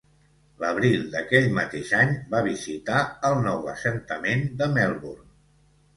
L'abril d'aquell mateix any va visitar el nou assentament de Melbourne.